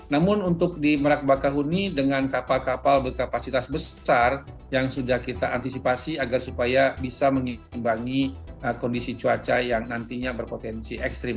namun untuk di merak bakahuni dengan kapal kapal berkapasitas besar yang sudah kita antisipasi agar supaya bisa mengimbangi kondisi cuaca yang nantinya berpotensi ekstrim